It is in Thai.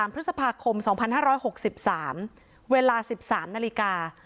พฤษภาคม๒๕๖๓เวลา๑๓นาฬิกา